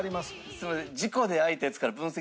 すみません。